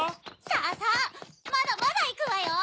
さぁさぁまだまだいくわよ！